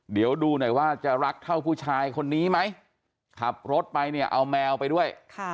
เดี๋ยวดูหน่อยว่าจะรักเท่าผู้ชายคนนี้ไหมขับรถไปเนี่ยเอาแมวไปด้วย